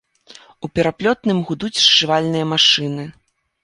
У пераплётным гудуць сшывальныя машыны.